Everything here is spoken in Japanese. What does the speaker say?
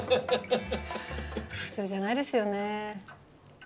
普通じゃないですよね。